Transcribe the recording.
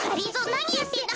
なにやってんの？